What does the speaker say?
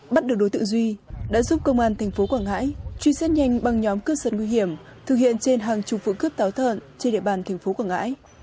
bắt được đối tượng duy đã giúp công an thành phố quảng ngãi truy xét nhanh băng nhóm cướp sật nguy hiểm thực hiện trên hàng chục vụ cướp táo thợn trên địa bàn thành phố quảng ngãi